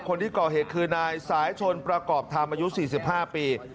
คนที่ก่อเหตุคือนายสายชนประกอบธรรมอายุ๔๕ปี